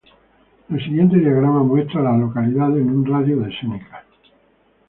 El siguiente diagrama muestra a las localidades en un radio de de Seneca.